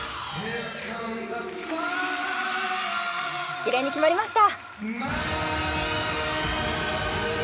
きれいに決まりました！